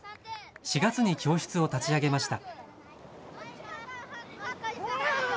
４月に教室を立ち上げました。